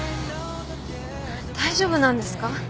大丈夫なんですか？